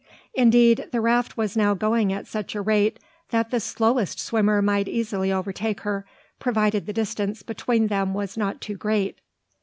Indeed, the raft was now going at such a rate, that the slowest swimmer might easily overtake her, provided the distance between them was not too great.